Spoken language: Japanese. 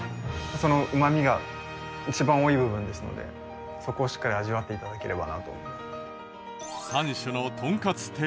そのうまみが一番多い部分ですのでそこをしっかり味わって頂ければなと思い。